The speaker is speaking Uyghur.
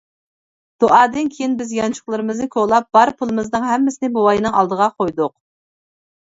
دۇئادىن كېيىن، بىز يانچۇقلىرىمىزنى كولاپ، بار پۇلىمىزنىڭ ھەممىسىنى بوۋاينىڭ ئالدىغا قويدۇق.